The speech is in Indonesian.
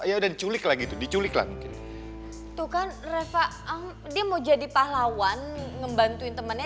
ya udah diculik lagi tuh diculik lagi tuh kan reva dia mau jadi pahlawan ngebantuin temennya